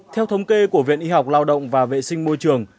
theo thống kê của viện y học lao động và vệ sinh môi trường